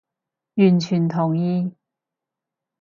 完全同意